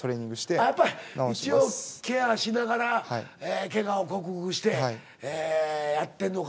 あっやっぱり一応ケアしながらけがを克服してやってんのか。